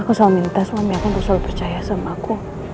aku selalu minta suami aku untuk selalu percaya sama aku